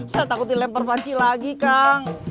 saya takut dilempar panci lagi kang